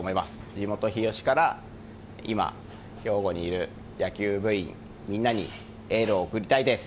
地元、日吉から今、兵庫にいる野球部員みんなにエールを送りたいです。